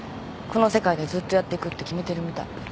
この世界でずっとやってくって決めてるみたい。